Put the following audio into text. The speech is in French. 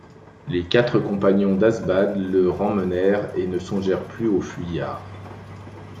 Les quatre compagnons d'Asbad le remmenèrent, et ne songèrent plus aux fuyards.